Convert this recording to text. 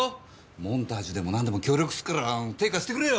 モンタージュでもなんでも協力すっから手貸してくれよ！